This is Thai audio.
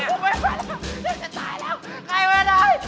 ยังจะตายแล้วใครล่ะด้าย